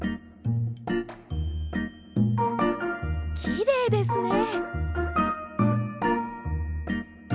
きれいですね。